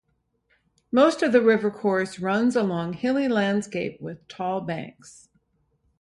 Most of the river course runs over hilly landscape with tall banks.